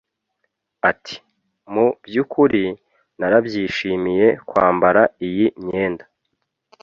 Ati “Mu by’ukuri narabyishimiye kwambara iyi myenda